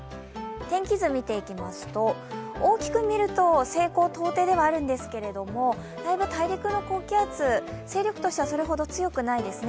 天気図を見ていきますと、大きく見ると西高東低ではあるんですけれども、だいぶ大陸の高気圧、勢力としてはそんなに強くないですね。